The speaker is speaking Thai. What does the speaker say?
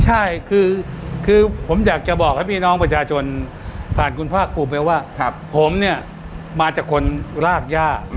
ใช่คือผมอยากจะบอกให้พี่น้องประชาชนผ่านคุณภาคภูมิไปว่าผมเนี่ยมาจากคนรากย่า